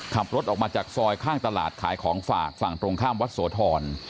ขับรถออกมาจากซอยข้างตลาดขายของฝากฝั่งตรงข้ามวัดโสธร